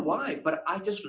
saya menyukai gambar